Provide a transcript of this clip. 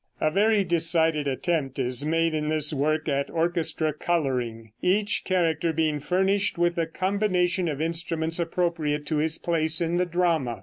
] A very decided attempt is made in this work at orchestra coloring, each character being furnished with a combination of instruments appropriate to his place in the drama.